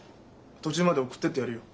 途中まで送ってってやるよ。